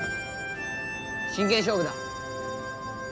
真剣勝負だ！